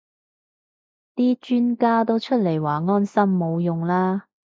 啲專家都出嚟話安心冇用啦